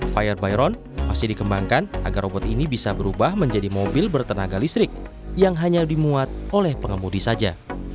fire byron masih dikembangkan agar robot ini bisa berubah menjadi mobil bertenaga listrik yang hanya dimuat oleh pengemudi saja